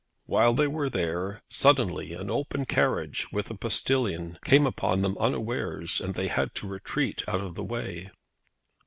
While they were there, suddenly an open carriage, with a postilion, came upon them unawares, and they had to retreat out of the way.